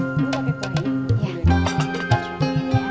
tuh papa udah potong